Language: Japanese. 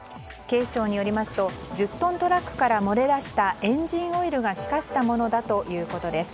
警視庁によりますと１０トントラックから漏れ出したエンジンオイルが気化したものだということです。